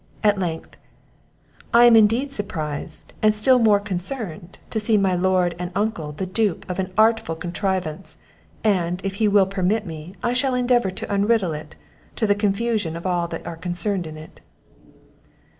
At length "I am indeed surprised, and still more concerned, to see my lord and uncle the dupe of an artful contrivance; and, if he will permit me, I shall endeavour to unriddle it, to the confusion of all that are concerned in it."